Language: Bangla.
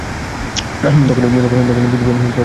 তখনই বুঝিবে, প্রকৃত বিশ্রাম কি।